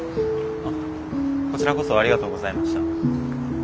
あこちらこそありがとうございました。